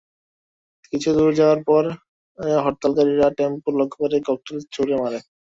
কিছু দূর যাওয়ার পরে হরতালকারীরা টেম্পো লক্ষ্য করে ককটেল ছুড়ে মারে।